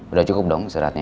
udah cukup dong seratnya